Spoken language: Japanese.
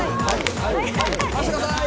回してください。